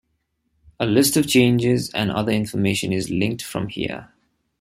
A list of changes and other information is linked from here.